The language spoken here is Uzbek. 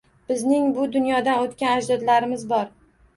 Bizning bu dunyodan o‘tgan ajdodlarimiz bor.